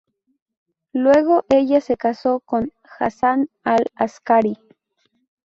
Luego ella se casó con Hasan al-Askari.